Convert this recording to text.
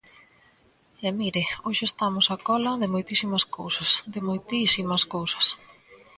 E, mire, hoxe estamos á cola de moitísimas cousas, de moitísimas cousas.